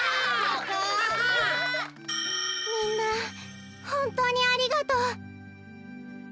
みんなほんとうにありがとう。